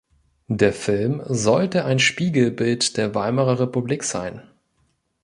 Der Film sollte ein Spiegelbild der Weimarer Republik sein.